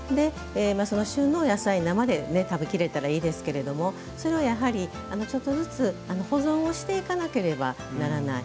その旬の野菜生で食べきれたらいいですけどそれをやはりちょっとずつ保存をしていかなければならない。